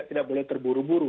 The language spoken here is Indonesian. tidak boleh terburu buru